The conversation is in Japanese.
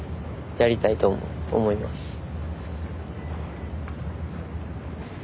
やりたいと思います。